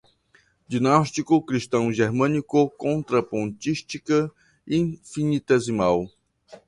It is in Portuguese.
Dinástico, cristão-germânico, contrapontística, infinitesimal